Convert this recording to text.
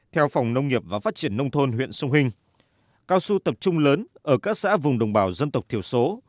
theo phòng nông nghiệp và phát triển nông thôn huyện sông hình cao su tập trung lớn ở các xã vùng đồng bào dân tộc thiểu số